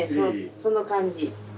その感じ。